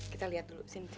kita lihat dulu sini